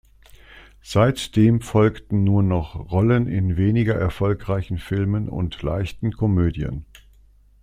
Seit dem folgten nur noch Rollen in weniger erfolgreichen Filmen und leichten Komödien.